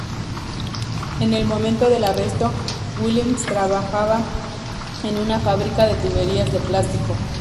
En el momento del arresto Williams trabajaba en una fábrica de tuberías de plástico.